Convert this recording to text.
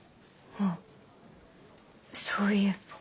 あっそういえば。